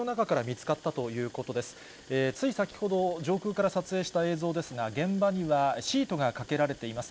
つい先ほど上空から撮影した映像ですが、現場にはシートがかけられています。